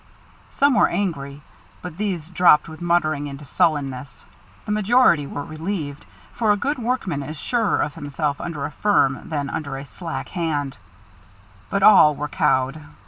Some were angry, but these dropped from muttering into sullenness; the majority were relieved, for a good workman is surer of himself under a firm than under a slack hand; but all were cowed.